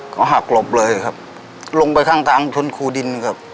เขาหักหลบเลยครับลงไปข้างทางชนคูดินครับ